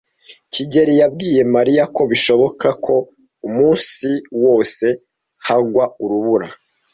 kigeli yabwiye Mariya ko bishoboka ko umunsi wose hagwa urubura.